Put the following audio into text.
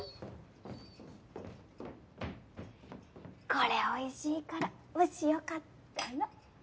これおいしいからもしよかったら。